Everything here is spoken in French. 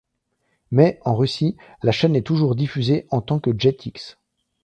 Mais, en Russie, la chaîne est toujours diffusée en tant que Jetix.